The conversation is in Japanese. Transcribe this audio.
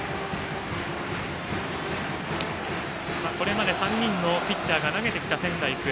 これまで３人のピッチャーが投げてきた仙台育英。